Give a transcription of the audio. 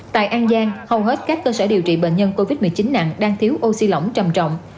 tại an giang hầu hết các cơ sở điều trị bệnh nhân covid một mươi chín nặng đang thiếu oxy lỏng trầm trọng